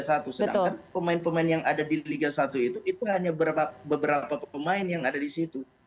sedangkan pemain pemain yang ada di liga satu itu itu hanya beberapa pemain yang ada di situ